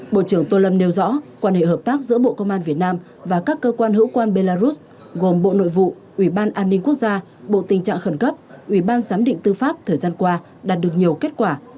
bộ trưởng tô lâm nêu rõ quan hệ hợp tác giữa bộ công an việt nam và các cơ quan hữu quan belarus gồm bộ nội vụ ủy ban an ninh quốc gia bộ tình trạng khẩn cấp ủy ban giám định tư pháp thời gian qua đạt được nhiều kết quả